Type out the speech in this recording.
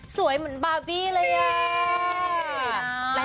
เหมือนบาร์บี้เลยอ่ะ